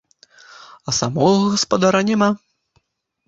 А самога гаспадара няма.